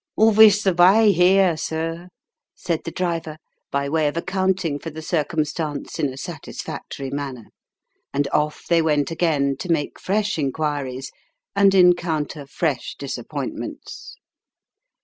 " Orvis the vay here, sir," said the driver, by way of accounting for the circumstance in a satisfactory manner ; and off they went again, to make fresh inquiries, and encounter fresh disappointments.